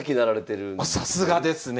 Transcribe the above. あさすがですね！